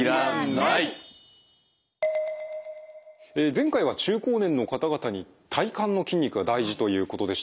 前回は中高年の方々に体幹の筋肉が大事ということでしたがね